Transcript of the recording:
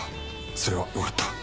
それはよかった。